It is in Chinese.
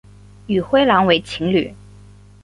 与灰狼为情侣。